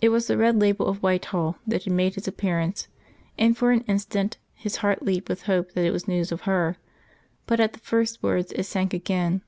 It was the red label of Whitehall that had made its appearance; and for an instant his heart leaped with hope that it was news of her. But at the first words it sank again.